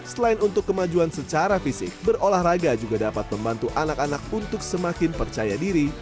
selain untuk kemajuan secara fisik berolahraga juga dapat membantu anak anak untuk semakin percaya diri